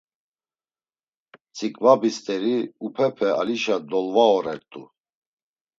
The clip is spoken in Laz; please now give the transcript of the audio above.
Tziǩvabi st̆eri upepe alişa dolvaorert̆u.